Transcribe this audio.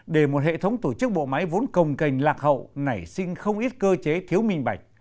để một hệ thống tổ chức bộ máy vốn công cành lạc hậu nảy sinh không ít cơ chế thiếu minh bạch